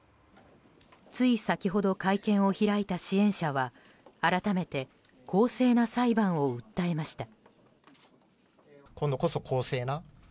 つい先ほど会見を開いた支援者は改めて公正な裁判を訴えました。